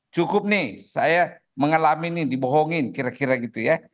cukup nih saya mengalami nih dibohongin kira kira gitu ya